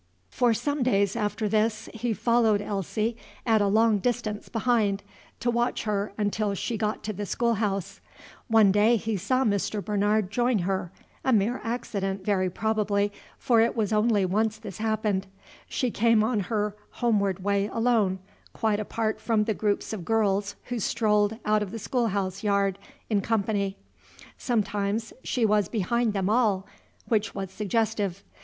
For some days after this he followed Elsie at a long distance behind, to watch her until she got to the schoolhouse. One day he saw Mr. Bernard join her: a mere accident, very probably, for it was only once this happened. She came on her homeward way alone, quite apart from the groups of girls who strolled out of the schoolhouse yard in company. Sometimes she was behind them all, which was suggestive.